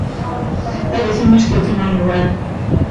Hai veciños que opinan igual.